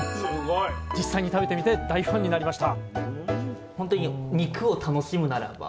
実際に食べてみて大ファンになりました